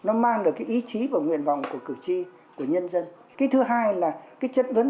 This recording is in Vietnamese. nó mang được cái ý chí và nguyện vọng của cử tri của nhân dân cái thứ hai là cái chất vấn